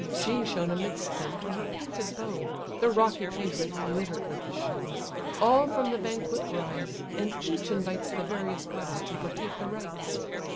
She shone amidst them, on her painted bow; The rocky pavement glitter'd with the show. All from the banquet rise, and each invites The various goddess to partake the rites.